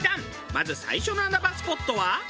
まず最初の穴場スポットは。